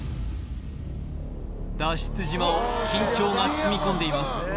脱出島を緊張が包み込んでいます